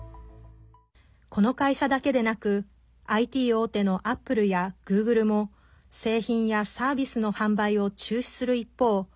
この会社だけでなくＩＴ大手のアップルやグーグルも製品やサービスの販売を中止する一方